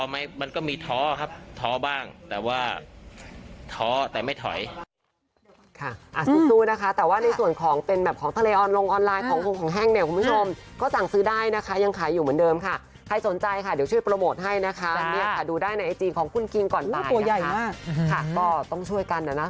มันก็มีท้อครับท้อบ้างแต่ว่าท้อแต่ไม่ถอย